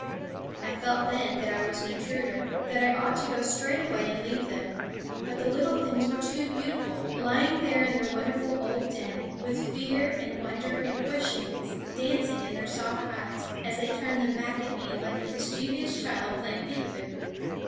I felt then that I was an intruder; that I ought to go straight away and leave them; but the little things were too beautiful, lying there in their wonderful old den, with fear and wonder and questionings dancing in their soft eyes as they turned them back at me like a mischievous child playing peekaboo.